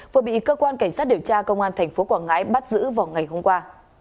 vừa bị cơ quan cảnh sát điều tra công an tp quảng ngãi bắt giữ vào ngày hôm qua